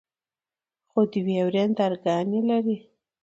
خو دوې ورندرګانې لري.